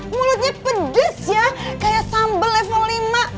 mulutnya pedes ya kayak sambal level lima